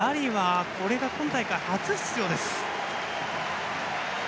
ダリはこれが今大会初出場です。